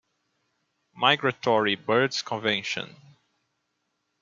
Migratory Birds Convention.